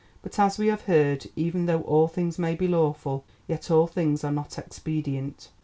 But, as we have heard, even though all things may be lawful, yet all things are not expedient.